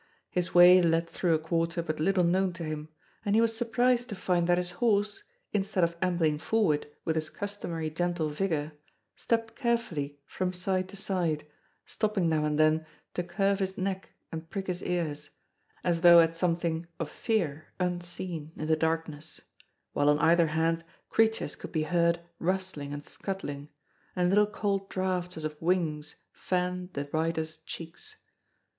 His way led through a quarter but little known to him, and he was surprised to find that his horse, instead of ambling forward with his customary gentle vigour, stepped carefully from side to side, stopping now and then to curve his neck and prick his ears —as though at some thing of fear unseen in the darkness; while on either hand creatures could be heard rustling and scuttling, and little cold draughts as of wings fanned the rider's cheeks.